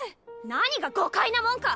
何が誤解なもんか！